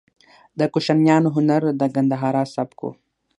د کوشانیانو هنر د ګندهارا سبک و